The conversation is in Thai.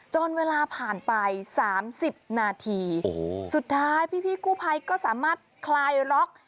จนเวลาผ่านไปสามสิบนาทีโอ้โหสุดท้ายพี่พี่กู้ไพรก็สามารถคลายล็อก